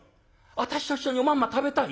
私と一緒におまんま食べたい？」。